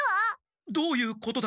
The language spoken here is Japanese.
どういうことだ？